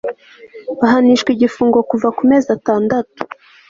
bahanishwa igifungo kuva ku mezi atandatu